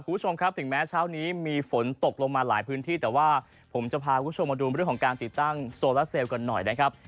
คุณผู้ชมครับถึงแม้เช้านี้มีฝนตกลงมาหลายพื้นที่แต่ว่าผมจะพาคุณผู้ชมมาดูเรื่องของการติดตั้งโซลาเซลกันหน่อยนะครับ